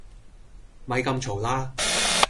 咪咁嘈啦